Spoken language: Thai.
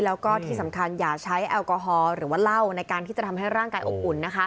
แล้วก็ที่สำคัญอย่าใช้แอลกอฮอล์หรือว่าเหล้าในการที่จะทำให้ร่างกายอบอุ่น